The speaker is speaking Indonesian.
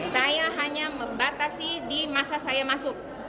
saya hanya membatasi di masa saya masuk